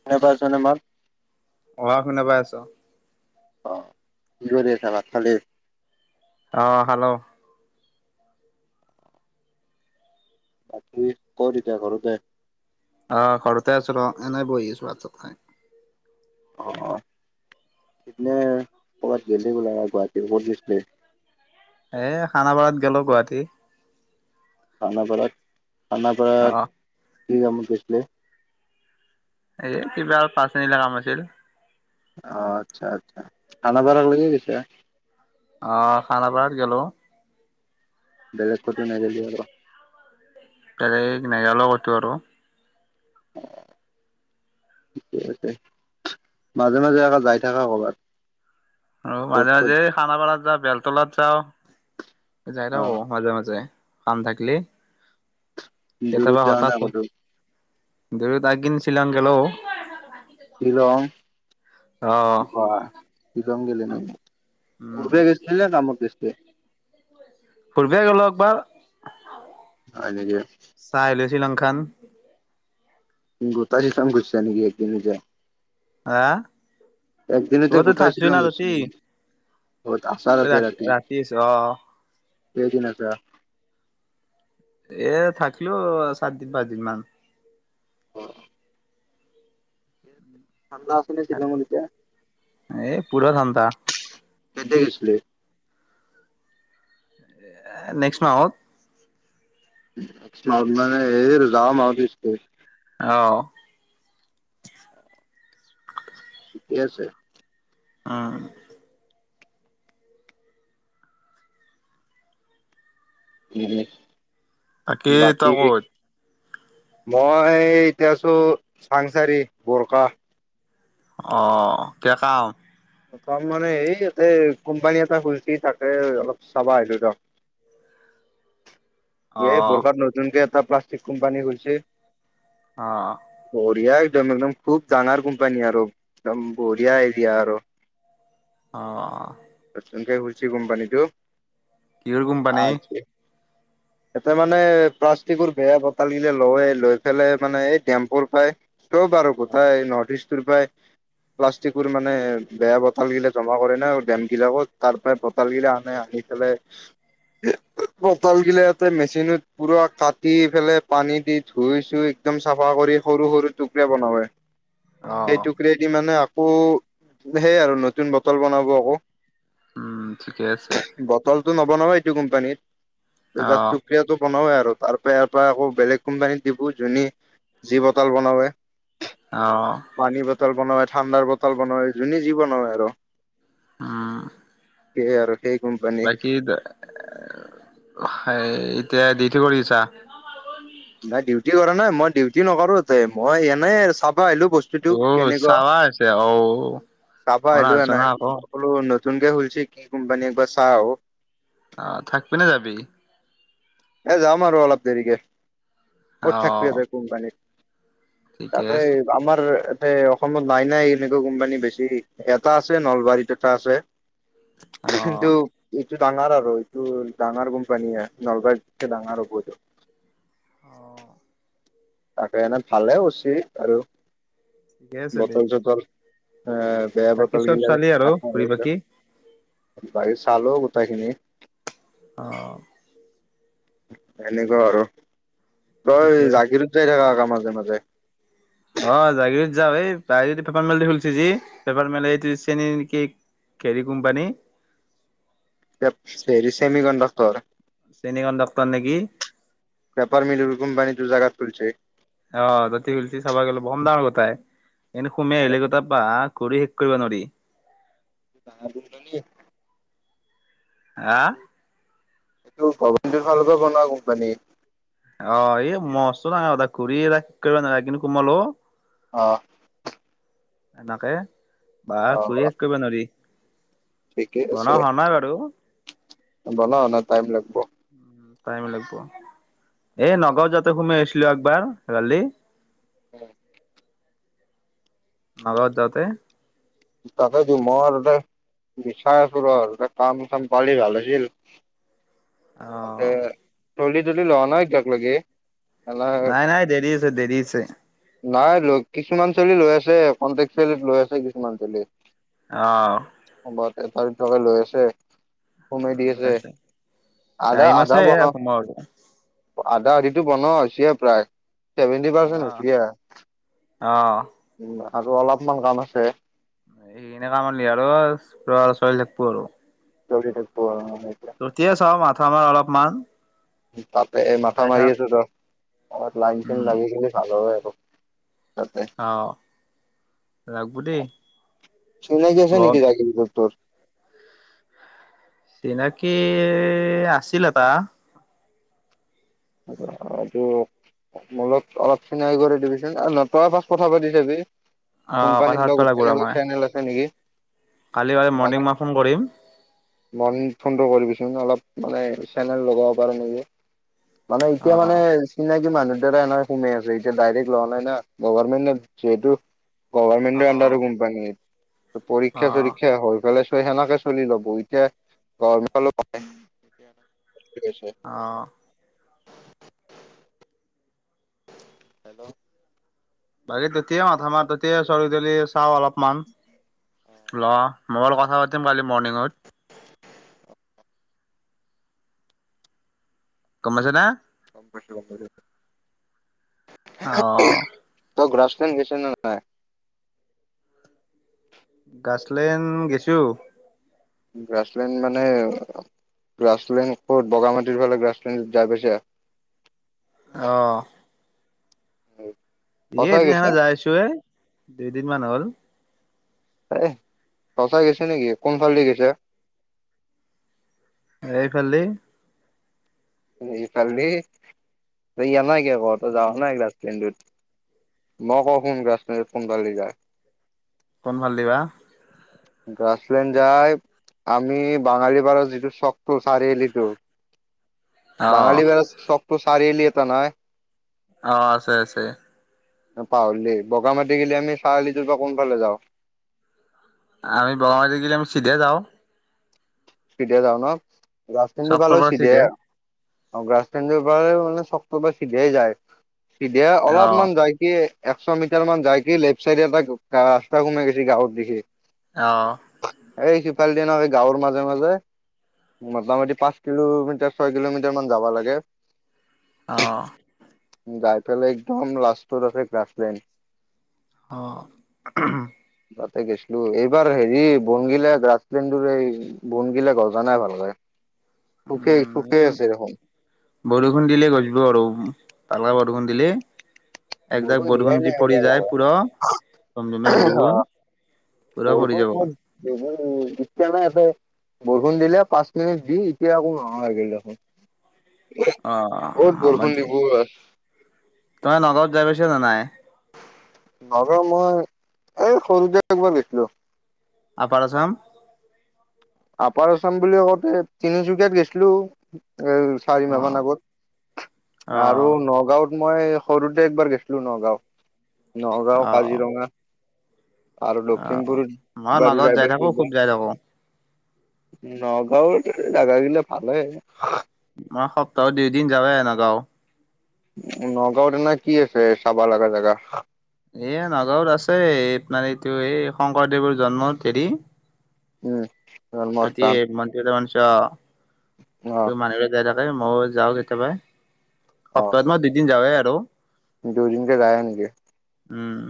শুনা পাইছা নে মাত অঁ শুনা পাই আছো অ কি কৰি আছে ভাত খালে অঁ হেল্ল' বাকী কত এতিয়া ঘৰতে আহ ঘৰতে আছো ৰ এনেই বহি আছো আচত ন [unintelligible] অঁ অঁ বলা গুৱাহাটী বত দি এ খানাপাৰাত গলো গুৱাহাটী খানাপাৰাৰ খানাপাৰাত অ কি আম কেছলে [unintelligible] এ কিবা আৰু পাঁচনিলা কাম আছিল অ আচ্ছা আচ্ছা খান বাৰ লাগ দিছে অ খানাপাৰাত গলো বেলেগ কত নল [unintelligible] বেলেগ নাই লগ কতো আৰু [unintelligible] আছে মাজে মাজে আকৌ যাই থাকা কবাত অঁ মাজে মাজে খানাপাৰাত য বেল টলাত যাও যাই ন অ মাজে মাজে কাম থাকিলেই দূৰত যোৱা নাই কতো দৰিতাগিন শিলাংকল' [unintelligible] শ্বিলং বাহ শ্বিলং গলে ন উম পূৰা গৈছিলে আমাৰ দেশে [unintelligible] ফুৰিব গলো একবাৰ অ দেক শ্ৰীলংখান গোতাজিতাম গৈছিলা নেকি একদিন যায় আহ একদিনতে গোটাইছিলো গ বত তই আছাৰতে ৰাতি আহিছ অ সেইদিনা আছে এ থাকিলো সাতদিন পাঁচদিন মান হয় ঠাণ্ডা আছে নে শ্বিলঙত এতিয়া? এই পুৰা থান্তা কেতিয়া গৈছিলি নেক্স মাহত মানে এই যাম আৰু পিছ অ ঠিকে আছে অ [unintelligible] তাকেই ত বাকী ক'ত মই এতিয়া আছো চাংচাৰি বৰকা অঁ এতিয়া ক থম মানে হে তাতে কোম্পানী এটা খুলচি তাকে অলপ চাবা আহিল ত অ এই বোৰখা নতুনকে প্লাষ্টিক কোম্পানী গৈছে অ বৰিয়া একদম একদম খুব ডাঙাৰ কোম্পানী আৰু একদম বঢ়িয়া এৰিয়া আৰু অ চোনকে খোলিছে কোম্পানীটো কিহৰ কোম্পানী এতে মানে প্লাষ্টিকৰ বেয়া বটল গিলে লয় লৈ পেলাই মানে এই ডেম্পোৰ পাই চব বাৰ কথা নৰ্থ ইষ্ট প্লাষ্টিক বোৰ মানে বেয়া বতল বিলাক জমা কৰে না বিলাকত তাৰ পৰা বটাল গিলা আনে আনি পেলাই বটাল গিলাতে মেচিনত পুৰা কাটি পেলাই পানী দি ধুই চুই একদম চাফা কৰি সৰু সৰু টুকুৰা বনোৱা হয় অ সেই টুকৰেদি মানে আকৌ সেই আৰু নতুন বটল বনাব আকৌ উম ঠিকে আছে টো নব নাও এইটো কোম্পানীত অ যা প্ৰক্ৰিয়াতটো বনাও ইয়াত তাৰ পৰা ইয়াৰ পৰা আকৌ বেলেগ কোম্পানীত দিবো যু যি বটাল বনওে অ পানী বটল বনোৱা ঠাণ্ডাৰ বটল বনোৱাৰ যোনে যি বনাই আৰু উম সে আৰু সেই কোম্পানী বাকী সেইত তিয়া দিউতি কৰি আছা। নাই দিউ- টি কৰা নাই মই ডিউটি নকৰো মই এনে চাব ব আহিলো বস্তুতো অ কেনেকুৱা চাবা হৈছে অ চাব অনা আহিলো চনা এনেই আকৌ সকলো তুনকে খুলিছে কি কোম্পানী একবাৰ চাও। অ থাকবি না যাবি। এ যাম আৰু অলপ দেৰিকে ক'ত অ থাকবি ইয়াতে কোম্পানীত ঠিকে তাতে আছে আমাৰ তে অসমত নাই নাই এনেকুৱা কোম্পানী বেছি এটা আছে নলবাৰীত এটা আছে। অ কিন্তু এইটো ডাঙৰ আৰু এইটো ডাঙৰ কোম্পানী নলবাৰ- ডাঙৰ ওপৰতো অ তাকে এনে ভালে উৰচি আৰু ঠিকে আছে দে বতল ছতল হে বেয়া বাকী বতল চব গিলা চালি আৰু ঘূৰি [unintelligible] বাকি বায়ি চালো গোটেই খিনি অ এনেকুৱা আৰু ৰ এ ঠিকে জাগিৰোতে থাকা কাম মাজে মাজে অ জাগিৰোত যাও এই তাইদি পেপাৰ মেলটো খুলিছে যি পেপাৰ মেল এইটো চেনী নেকি হেৰি কোম্পানী চেৰি চেমি কণ্ডক্টৰ চেনী কণ্ডাক্টৰ নেকি। পেপাৰ মিলৰ কোম্পানীটো জাগাত খুলিছে। অ জতি গলচি চাব গলে বম দাম লব তাই এনেই সুমাই আহিলে গটা বাত কৰি শেষ কৰিব নোৱাৰি। [unintelligible] আ এইটো ভৱনটো নিজৰ ফালৰ পৰা বনোৱা কোম্পানী। অ এই মস্তো ডাঙা ত ঘূৰি ৰা কৰিব না কিন্তু কোমল অ অ এনাকে বা অ ঘূৰি শেষ কৰিব নোৱাৰি। ঠিকে বনা হোৱা নাই বাৰু। বনাই হোৱা নাই টাইম লাগিব। টাইম লাগিব। এ নগাঁৱত যাওঁতে সোমে আহিছি লো একবাৰ কালি। উম। নগাঁৱত যাওঁতে। তাকেই দিওঁ মই আৰু বিচাই আচু ৰ কাম চাম পালি ভাল আছিল। আহ। ছোৱালী -তোৱালি লোৱা নাই এতিয়াক লাগি। নাই -নাই দেৰি আছে দেৰি আছে। নাই লৈ কিছুমান ছোৱালী লৈ আছে কণ্টেক্ট ছোৱালীত লৈ আছে। মালটোলি অহ। এ তাৰি তকে লৈ আছে। সোমাই দি আছে আধা- টাইম আধা আছে বনাৱক, তোমাৰ আধা। এইটো বনোৱা হৈছিয়ে প্ৰায়। ছেভেণ্টি পাৰ্চেণ্ট হৈছেগে আ। অ। উম আৰু অলপমান কাম আছে। এ এনেকা কৰিলি আৰু পোৰা ছোৱালী থাকব আৰু। ছোৱালী থাকব আৰু অ ততিয়া চাওঁ মাথা মাৰ অলপ। মান। তাতে মাথা মাৰি আছোঁ ত অলপ লাইন চাইন উম লাগি থাকিলে ভাল হয় । তাতে অহ লাগব দেই চিনাকি আছে বৰ নেকি [unintelligible] তোৰ। চিনাকি আছিল এটা। এইটো মো লগত অলপ চিনাকি কৰি দিবিচোন ন তই ফাৰ্ষ্ট কথা পাতি চাবি। অহ কথা কোম্পানীত পাতব লগত লাগব ৰ তেনেকুৱা মই চেনেল আছে নেকি। কালি কালি মৰ্ণিং মই ফোন কৰিম মন ফোনটো কৰিবিচোন অলপ মানে চেনেল লগাব। পাৰে নেকি। মানে এতিয়া অহ মানে চিনাকি মানুহ। নহয় সোমাই আছে এতিয়া ডাইৰেক্ট লৱা নাই না গভৰমেণ্টে যিহেতু গভৰমেণ্টেৰ অহ আন্দাৰ কোম্পানী। অহ পৰীক্ষা-চৰীক্ষা হৈ গলে সেনেকে চলি ল'ব এতিয়া গৰম প অঁ। হেল্ল' বাকী তেতিয়াই মাথা মাৰ। তেতিয়াই ছোৱালী টোৱালি চাওঁ অলপমান। লোৱা মৰ কথা পাতিম কালি মৰ্ণিঙত গম পাইছ না? গম পাইছোঁ, গম পাইছোঁ। অ'। অ গ্ৰাছ [unintelligible] গ্ৰাছলেণ্ড গেছো। গ্ৰাছলেণ্ড মানে গ্ৰাছলেণ্ড ক'ত? বগামাটিৰ ফালে গ্ৰাছলেণ্ড যাই পাইছা? আহঁ হয়। এ এদিনা খন যাইছোৱে। দুইদিনমান হ'ল। এ সচা গেছা নেকি? কোনফালদি গেছা? এইফালদি এইফালদি এই এনাই ঘৰতো যাৱা নাই গ্ৰাছলেণ্ডটোত মক শোন গছ মত কোন ফালি যায়। কোন ফালে দি বা? গ্ৰাছলেণ্ড যাই আমি বাঙালী পাৰৰ যিটো চকটো চাৰিআলিটো অ'। বাঙালী পাৰা চকটো চাৰিআলি নাই। অ আছে, আছে। পাহলি বগামাটি গেলি আমি চাৰিআলিটোৰ পৰা কোনফালে যাওঁ? আমি বগামাটি গলে আমি চিধে যাওঁ। চিধে যাও ন? বাছষ্টেণ্ডটোৰ পৰা চকটোৰ লৈ চিধা চিধে। আৰু গ্ৰাছলেণ্ড মানে চকটোৰ পৰা চিধাই যায়। তেতিয়া অ'। অলপমান যায় কি একছ মিটাৰ মান যায় কি লেফ্ট চাইডে এটা ৰাস্তা ঘুমাই গৈছে গাঁৱত দেখি অঁ। এই সিফাল দি নহয় গাওঁৰ মাজ মাজে-মাজে মোটামুটি পাঁচ কিলোমিটাৰ, ছয় কিলোমিটাৰ মান যাবা লাগে। অঁ। গাই পেলাই একদম লাষ্ট তাতে গ্ৰাছলেণ্ড। অ। তাতে গেছলো। এইবাৰ হেৰি বংগীলা গ্ৰাছলেণ্ডৰ এই বন গিলা গজা নাই ভালকে। সুখে উম, সুখে এই আছে দেখোন বৰষুণ দিলে গজিব আৰু তাৰ আগত খুন দিলে একজাক দিয়াই বৰষুণ নাই য পৰি এইবাৰ যায় ভালকে পুৰ ৰমৰমীয়া বৰষুণ---। পুৰা পৰি বৰষুণ যাব। কত দিছে? নাইফ বৰষুণ দিলে পাঁচ মিনিট দি এতিয়া আকৌ নাহ হৈ গ' দেখোন। অ' অত বৰষুণ দিব আই। তই নগাঁওত যাই পাইছা'নে নাই । নৰ মই এই সৰুতে একবাৰ গৈছিলো। আপাৰ আসাম। আপাৰ আছাম বুলি আতে তিনিচুকীয়াত গৈছিলো। এ চাৰি মাহ মান অ', আগত আৰু অ', নগাঁওত--। মই সৰুতে একবাৰ গৈছিলো নগাঁওত। নগাঁও, কাজিৰঙা। আৰু আহ লখিমপুৰত মই মাজত যাই থাকো খুত যাই থাকো। নগাঁওত নাগা গিলা ভালে। মই সপ্তাহত এদিন যাওঁৱে নগাঁও। নগাঁওত এনে কি আছে চাবা লাগা জেগা । এয়া নগাঁৱত আছে আপোনাৰ এইটো এই শংকৰদেৱৰ জন্মত হেৰি। উম। এতি জন্মস্থান মন্দিৰত মান। অ। অ ত মানুহেৰে যায় থাক। মইয় যাওঁ কেতিয়াবা। অ সপ্তাহত মই দুইদিন যাৱাই আৰু---। হেল্ল'। দুদিনকে যায় নেকি। উম।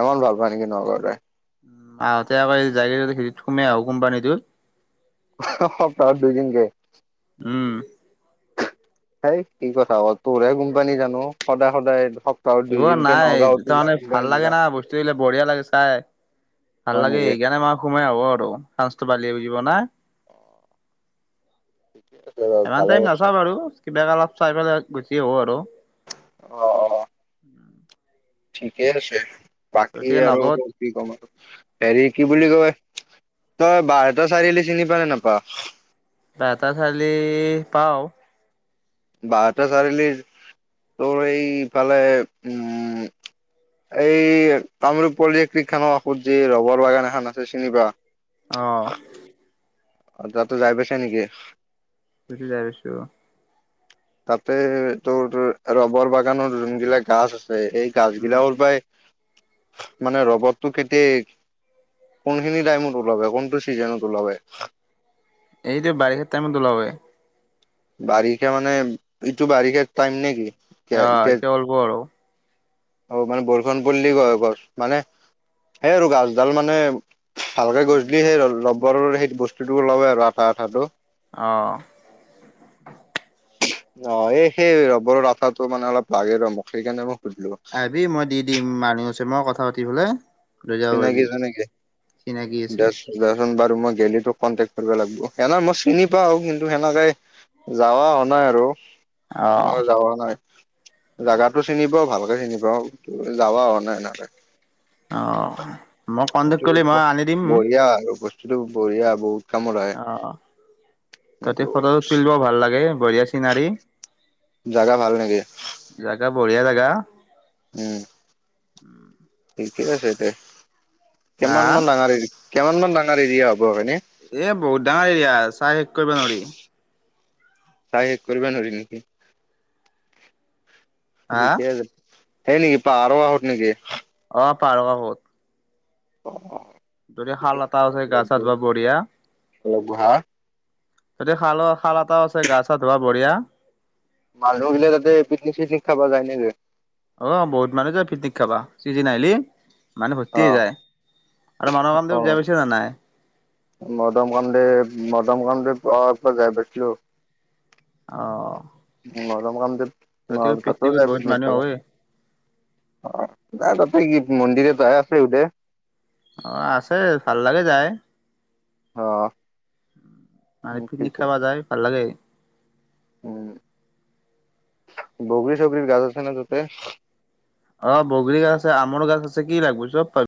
এমান ভাল পায় নেকি নগাঁওতে? উ আহঁতে আকৌ যগিৰোদ খেত সুমাই আহো কোম্পানীটো? সপ্তাহত দুুনি কে। উঁ। হেই কি কথা হ তোৰহে কোম্পানী জানো সদায় সদায়---। সপ্তাহত এইব দুদিনকে নাই নগাঁওতো যা তাৰমানে ভাল কোম্পানীত যা লাগে না বস্তু দিলে বঢ়িয়া লাগে চাই ভাল হয় লাগে নেকি সেইকাৰণে মাৰ সোমাই হ' আৰু। বালিয় যিব না? অ। ইমান টাইম নাচা কৰিছা ব আৰু কিবা কালত---। চাই পেলাই গুচি আহাব আৰু---। অহ অহ। ঠিকে আছে। বাকী গতিকে আৰু নগদ কি ক'ম আৰু হেৰি কি বুলি কয়---। তই বাহটা চাৰিআলি চিনি পাল নে নাপাৱ বটা চালি পাওঁ বটা চাৰিআলিৰ তোৰ এই ইফালে উম এই কামৰূপ পলজেক্ট্ৰিক খানৰ কাষত যি ৰবৰ বাগান এখন আছে চিনি পা আহঁ অ তাতো যাই পাইছে নেকি? যাই পাইছো। তাতে তোৰ ৰবৰ বাগানৰ যোন গিলাক গাছ আছে। এই গাছ উম গিলাও পাই, মানে ৰবতটো কেতিয়াই কোনখিনি টাইমত ওলাব কোনটো চিজনত ওলাব এইটো বাৰিষা টাইমত ওলাব। বাৰিষা মানে ইটো বাৰিষা টাইম নেকি? এতিয়া এতিয়া অতিল ব আৰু আৰু অ মানে বৰষুণ পৰিলে কয় গছ মানে সেই আৰু গছডাল মানে ভালকে উম গছিলি সেই লব ঘৰ ৰ সেই বস্তু টোওৱে আৰু আঠটা আঠটো অঁ অ এই সেই ৰবৰৰ আঠটো মানে অলপ লাগে ৰমোক সেইকাৰণে মোক আহিবি মই দি দিম মানুহ মই কথা পাতি বোলে চিনাকি চিনাকি আছে ডৰশ দ বাৰু মই গেলি তোক কণ্টেক কৰিব লাগিব। এনেহ মই চিনি পাওঁ আৰু কিন্তু টো সেনেকাই যাৱা হ নাই আৰু অ যাৱ নাই, জাগাতটো চিনিব ভাল চিনি পাওঁ যাবা হোৱা নাই এ অঁ! বঢ়িয়া আৰু সেইটোৱে বঢ়িয়া বুত অঁ তাতেতে ফটো তুলিব ভাল লাগে। বঢ়িয়া চিনাৰী জাগা ভাল লাগে । জাগা বঢ়িয়া জেগা। উম। উম। কি বা সাইছে? হা কিমানমান ডাঙৰ এই? কিমান মান ডাঙৰ এৰিয়া? হ'ব হয়নে এ বহুত ডাঙৰ এৰিয়া চাই শেষ কৰিব নোৱাৰি। চাই শেষ কৰিব নোৱাৰি নেকি। [unintelligible] হা সেই নেকি পাৰ আৱত নকি। পাহাৰৰ আৰত। অ অ। যদি শাল এটা আছে গা ছা ধুৱা বঢ়িয়া' হা, ততি শাল। শাল এটা আছে গা চা ধুোৱা বঢিয়া। মানুহ গিলে তাতে পিকনিক চিকনিক খাবা যায় নেকি? অ বহুত মানুহ যাই পিকনিক খাবা চিজিন আহলি। মানুহ অ ভৰ্তি হৈ যায় আৰু মানুহৰ অ কামটো যায় [inaudible] নাই মদম কানডে মদম কানডে পা পৰা যাই পাছিলো। অঁ। ৰম [unintelligible] ন সাত যাই পিকনিক খাব হয় যাই [inaudible] মন্দিৰে [inaudible] অ আছে ভাল লাগে যায়। অঁ। নাই পিকনিক খাবা যায় ভাল লাগে। উম বগৰী চগুৰী গাজ আছে ন তাতে। অ, বগৰী গাছ আছে আমৰ গছ আছে কি লাগব চব পাবি '